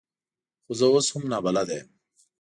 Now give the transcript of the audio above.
خو زه اوس هم نابلده یم .